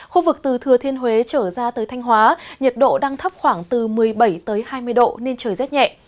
khu vực từ thừa thiên huế trở ra tới thanh hóa nhiệt độ đang thấp khoảng từ một mươi bảy hai mươi độ nên trời rét nhẹ